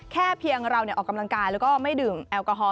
แค่เพียงเราออกกำลังกายแล้วก็ไม่ดื่มแอลกอฮอล